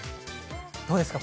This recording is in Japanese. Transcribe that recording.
どうですか？